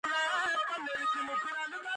მას შემდეგ დაწესდა არგოსში ფარის ჩუქება.